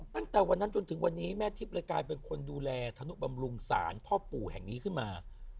ตั้งแต่วันนั้นจนถึงวันนี้แม่ทิพย์เลยกลายเป็นคนดูแลธนุบำรุงศาลพ่อปู่แห่งนี้ขึ้นมา